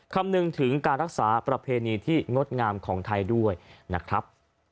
คำนึงถึงการรักษาประเพณีที่งดงามของไทยด้วยนะครับ